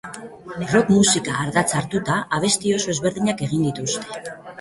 Rock musika ardatz hartuta, abesti oso ezberdinak egin dituzte.